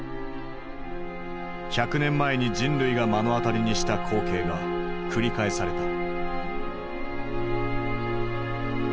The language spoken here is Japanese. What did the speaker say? １００年前に人類が目の当たりにした光景が繰り返された。